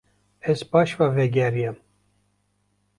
Ez paş ve vegeriyam.